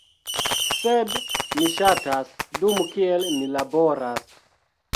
sed ni ŝatas, dum kiel mi laboras